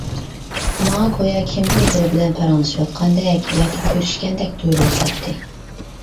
ماڭا گويا كىمدۇ بىرى بىلەن پاراڭلىشىۋاتقاندەك ياكى كۆرۈشكەندەك تۇيۇلۇۋاتاتتى.